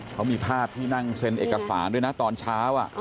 เขามีภาพที่นั่งเซ็นเอกสารด้วยนะตอนเช้า